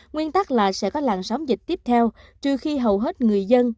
nguyên tắc là sẽ có làn sóng dịch tiếp theo trừ khi hầu hết người dân